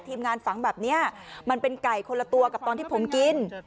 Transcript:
ทีมงานฝังแบบนี้มันเป็นไก่คนละตัวกับตอนที่ผมกิน